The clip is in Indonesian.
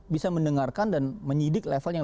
bisa mendengarkan dan menyidik level yang